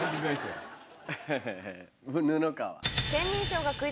布川。